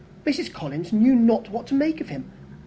Mrs. Collins knew not what to make of him.